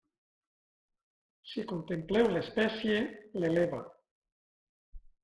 Si contempleu l'espècie, l'eleva.